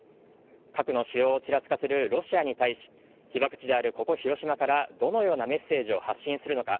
核の使用をちらつかせるロシアに対し被爆地であるここ広島からどのようなメッセージを発信するのか。